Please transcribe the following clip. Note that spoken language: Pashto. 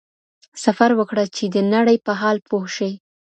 سفر وکړه چي د نړۍ په حال پوه شې.